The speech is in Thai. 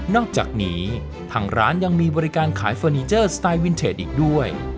อกจากนี้ทางร้านยังมีบริการขายเฟอร์นิเจอร์สไตล์วินเทจอีกด้วย